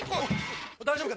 大丈夫か？